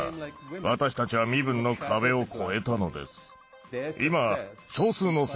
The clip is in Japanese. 私たちは身分の壁を越えたのです。